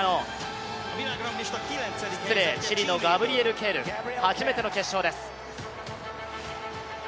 チリのガブリエル・ケール、初めての決勝です。